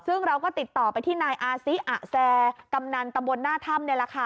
ซึ่งเราก็ติดต่อไปที่นายอาซิอะแซกำนันตำบลหน้าถ้ำนี่แหละค่ะ